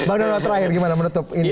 bang dono terakhir bagaimana menutup ini